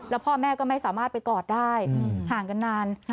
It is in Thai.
แล้วพ่อแม่ก็ไม่สามารถไปกอดได้ห่างกันนาน